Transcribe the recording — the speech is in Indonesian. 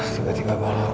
tiba tiba kepala aku